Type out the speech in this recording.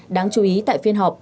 đáng chú ý tại phiên họp